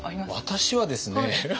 私はですね。